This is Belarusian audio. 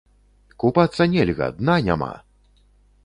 Купацца нельга, дна няма!